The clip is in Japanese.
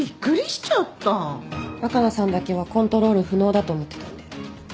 若菜さんだけはコントロール不能だと思ってたんで。